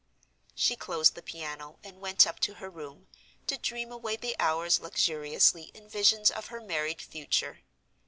She closed the piano and went up to her room, to dream away the hours luxuriously in visions of her married future.